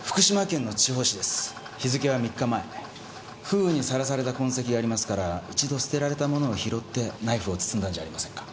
風雨にさらされた痕跡がありますから一度捨てられたものを拾ってナイフを包んだんじゃありませんか？